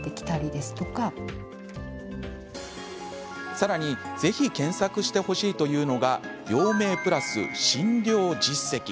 さらにぜひ検索してほしいというのが病名プラス診療実績。